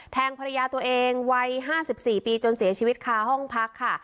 ภรรยาตัวเองวัย๕๔ปีจนเสียชีวิตคาห้องพักค่ะ